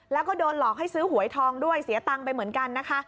แล้วก็โดนหลอกให้ซื้อหวยทองด้วยเสียตังค์ไปเหมือนกันนะคะ